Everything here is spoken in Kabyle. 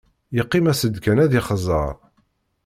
Yeqqim-as-d kan ad yexẓer.